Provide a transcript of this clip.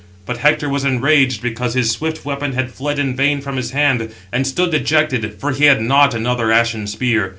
But Hector was enraged because his swift weapon had fled in vain from his hand; and stood dejected, for he had not another ashen spear.